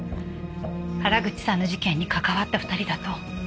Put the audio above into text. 原口さんの事件に関わった２人だと。